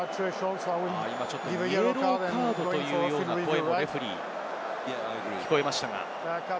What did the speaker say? イエローカードというような声もレフェリーから聞こえました。